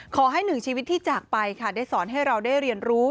ขอให้หนึ่งชีวิตที่จากไปค่ะได้สอนให้เราได้เรียนรู้